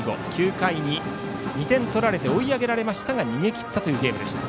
９回に２点取られて追い上げられましたが逃げ切ったゲームでした。